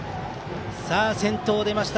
先頭、出ました。